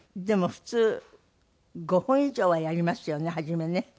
でも普通５分以上はやりますよね初めね。